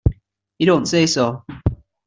You don't say so!